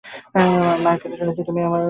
মার কাছে শুনিয়াছি, তুমি তো আমাদের পর নও।